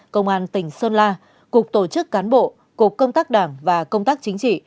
công an tỉnh sơn la cục tổ chức cán bộ cục công tác đảng và công tác chính trị